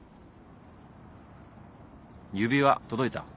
指輪届いた？